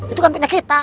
itu kan pindah kita